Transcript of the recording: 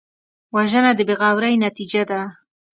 وژنه د بېغورۍ نتیجه ده